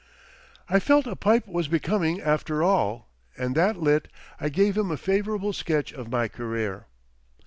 I felt a pipe was becoming after all, and that lit, I gave him a favourable sketch of my career.